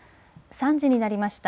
３時になりました。